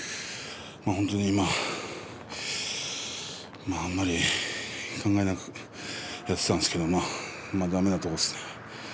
本当にまああまり考えなくなっていたんですけれどだめなところですね。